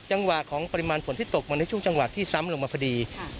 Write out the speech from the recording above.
จังหวะของปริมาณฝนที่ตกมาในช่วงจังหวะที่ซ้ำลงมาพอดี